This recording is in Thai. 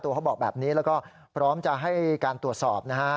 เขาบอกแบบนี้แล้วก็พร้อมจะให้การตรวจสอบนะฮะ